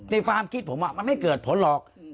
ความคิดผมมันไม่เกิดผลหรอก